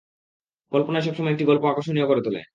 কল্পনাই সবসময় একটি গল্প আকর্ষণীয় করে তোলে।